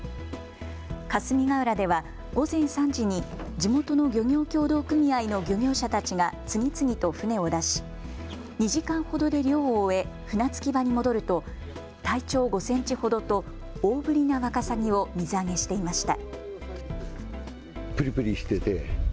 霞ヶ浦では午前３時に地元の漁業協同組合の漁業者たちが次々と船を出し２時間ほどで漁を終え船着き場に戻ると体長５センチほどと大ぶりなワカサギを水揚げしていました。